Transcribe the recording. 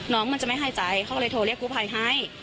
น้องมันจะไม่หายใจเขาก็เลยโทรเรียกกู้ภัยให้